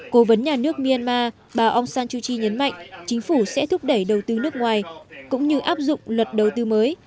cố vấn nhà nước myanmar bà aung san chuji nhấn mạnh chính phủ sẽ thúc đẩy đầu tư nước ngoài cũng như áp dụng luật đầu tư mới